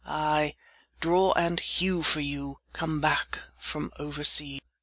—aye, draw and hew for you, Come back from oversea."